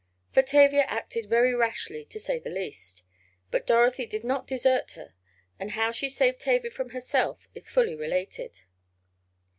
For Tavia acted very rashly, to say the least. But Dorothy did not desert her, and how she saved Tavia from herself is fully related.